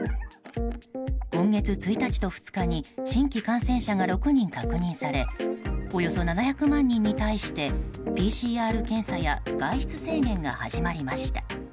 今月１日と２日に新規感染者が６人確認されおよそ７００万人に対してＰＣＲ検査や外出制限が始まりました。